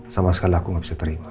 sama sekali aku gak bisa teringat